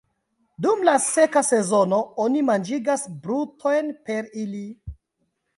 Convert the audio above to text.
Dum la seka sezono oni manĝigas brutojn per ili.